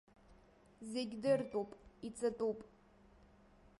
Зегь дыртәуп, иҵатәуп.